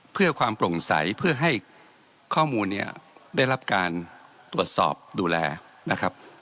เพื่อความโปร่งใสเพื่อให้ข้อมูลเนี่ยได้รับการตรวจสอบดูแลนะครับ